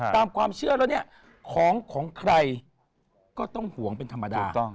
ตามความเชื่อแล้วเนี่ยของของใครก็ต้องห่วงเป็นธรรมดา